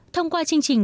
thông qua chương trình